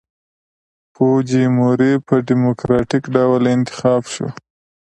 فوجیموري په ډیموکراټیک ډول انتخاب شو.